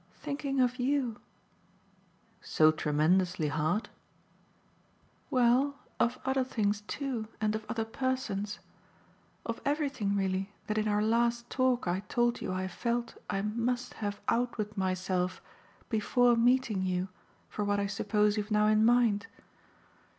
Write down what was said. "Thinking of YOU." "So tremendously hard?" "Well, of other things too and of other persons. Of everything really that in our last talk I told you I felt I must have out with myself before meeting you for what I suppose you've now in mind."